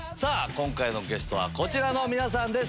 今回のゲストはこちらの皆さんです。